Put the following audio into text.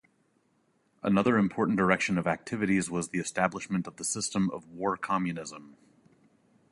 Another important direction of activities was the establishment of the system of "War Communism".